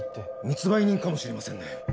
密売人かもしれませんね。